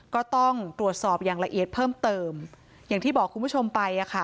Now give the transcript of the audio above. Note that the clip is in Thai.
ก็ต้องตรวจสอบอย่างละเอียดเพิ่มเติมอย่างที่บอกคุณผู้ชมไปอ่ะค่ะ